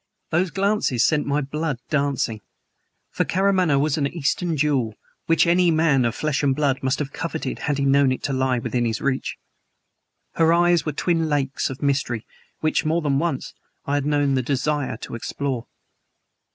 Those glances sent my blood dancing; for Karamaneh was an Eastern jewel which any man of flesh and blood must have coveted had he known it to lie within his reach. Her eyes were twin lakes of mystery which, more than once, I had known the desire to explore.